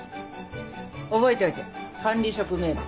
覚えておいて管理職名簿。